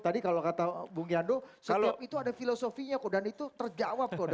tadi kalau kata bung yando setiap itu ada filosofinya kok dan itu terjawab kok